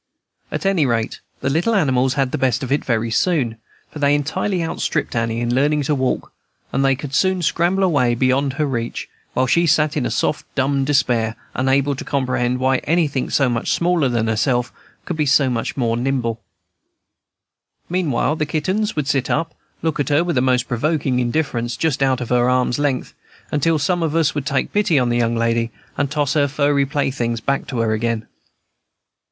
At any rate, the little animals had the best of it very soon; for they entirely outstripped Annie in learning to walk, and they could soon scramble away beyond her reach, while she sat in a sort of dumb despair, unable to comprehend why anything so much smaller than herself should be so much nimbler. Meanwhile, the kittens would sit up and look at her with the most provoking indifference, just out of arm's length, until some of us would take pity on the young lady, and toss her furry playthings back to her again.